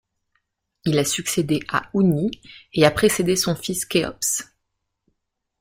Il a succédé à Houni et a précédé son fils Khéops.